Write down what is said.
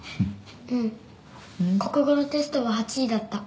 うん国語のテストは８位だった。